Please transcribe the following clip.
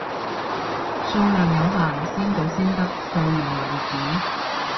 數量有限，先到先得，售完為止，